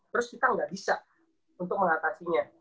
terus kita nggak bisa untuk mengatasinya